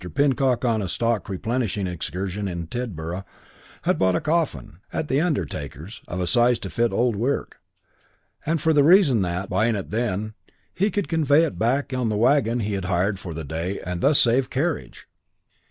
Pinnock on a stock replenishing excursion in Tidborough, had bought a coffin, at the undertaker's, of a size to fit Old Wirk, and for the reason that, buying it then, he could convey it back on the wagon he had hired for the day and thus save carriage.